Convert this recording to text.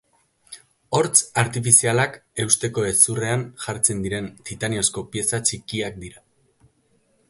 Hortz artifizialak eusteko hezurrean jartzen diren titaniozko pieza txikiak dira.